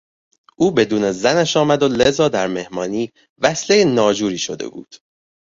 او بدون زنش آمد و لذا در مهمانی وصلهی ناجوری شده بود.